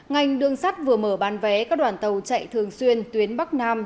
ngành đường sắt vừa mở bán vé các đoàn tàu chạy thường xuyên tuyến bắc nam